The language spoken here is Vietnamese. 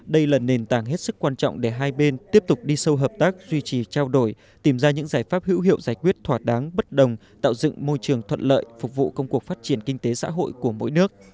đây là nền tảng hết sức quan trọng để hai bên tiếp tục đi sâu hợp tác duy trì trao đổi tìm ra những giải pháp hữu hiệu giải quyết thỏa đáng bất đồng tạo dựng môi trường thuận lợi phục vụ công cuộc phát triển kinh tế xã hội của mỗi nước